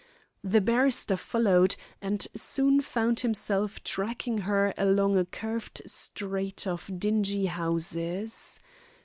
The barrister followed, and soon found himself tracking her along a curved street of dingy houses.